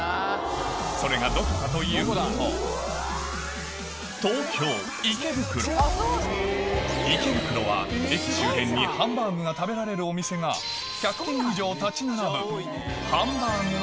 それがどこかというと東京池袋は駅周辺にハンバーグが食べられるお店が１００軒以上立ち並ぶ